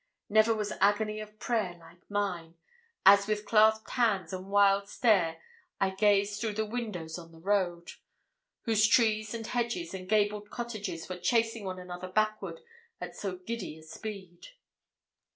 Never was agony of prayer like mine, as with clasped hands and wild stare I gazed through the windows on the road, whose trees and hedges and gabled cottages were chasing one another backward at so giddy a speed.